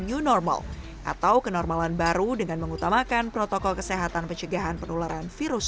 new normal atau kenormalan baru dengan mengutamakan protokol kesehatan pencegahan penularan virus